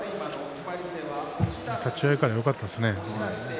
立ち合いからよかったですね。